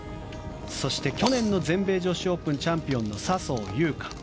そして、去年の全米女子オープンチャンピオンの笹生優花。